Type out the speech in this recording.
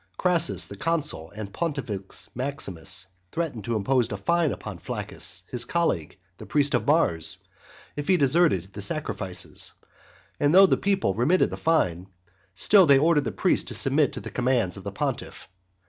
Crassus, the consul and Pontifex Maximus, threatened to impose a fine upon Flaccus his colleague the priest of Mars, if he deserted the sacrifices. And though the people remitted the fine, still they ordered the priest to submit to the commands of the pontiff.